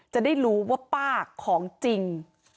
จะได้รู้ว่าป้าของจริง